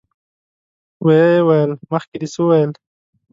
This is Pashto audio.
ويې ويل: مخکې دې څه ويل؟